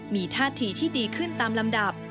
มีท่าทีที่ดีขึ้นตามลำดับ